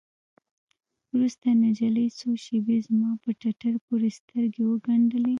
وروسته نجلۍ څو شېبې زما په ټټر پورې سترګې وگنډلې.